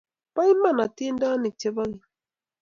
Poiman atindonik che po keny.